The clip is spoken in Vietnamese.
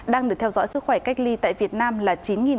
đang được theo dõi sức khỏe cách ly tại việt nam là chín tám mươi tám